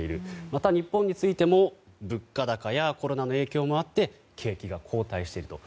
また、日本についても物価高やコロナの影響もあって景気が後退していると。